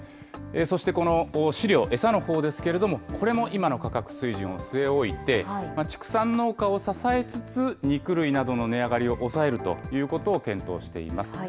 そしてこの飼料、餌のほうですけれども、これも今の価格水準を据え置いて、畜産農家を支えつつ、肉類などの値上がりを抑えるということを検討しています。